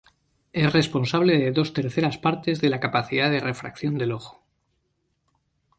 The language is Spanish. Es responsable de dos terceras partes de la capacidad de refracción del ojo.